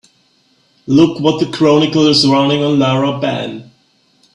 Look what the Chronicle is running on Laura Ben.